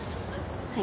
はい。